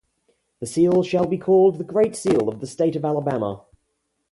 The seal shall be called the Great Seal of the State of Alabama.